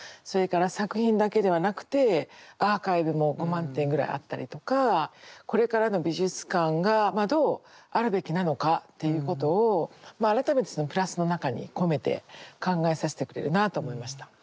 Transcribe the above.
それから作品だけではなくてアーカイブも５万点ぐらいあったりとかこれからの美術館がどうあるべきなのかっていうことをまあ改めてその「プラス」の中に込めて考えさせてくれるなと思いました。